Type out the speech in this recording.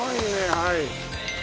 はい。